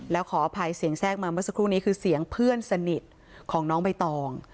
แล้วขออภัยเสียงแทรกมาเมื่อสักครู่นี้คือเสียงเพื่อนสนิทของน้องใบตอง